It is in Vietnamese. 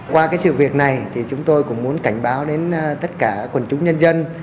qua sự việc này thì chúng tôi cũng muốn cảnh báo đến tất cả quần chúng nhân dân